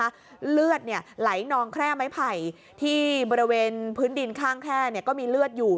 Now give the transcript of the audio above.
เลือดไหลนองแคร่ไม้ไผ่ที่บริเวณพื้นดินข้างแคร่ก็มีเลือดอยู่